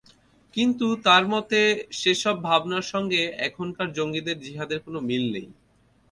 কিন্তু তাঁর মতে, সেসব ভাবনার সঙ্গে এখনকার জঙ্গিদের জিহাদের কোনো মিল নেই।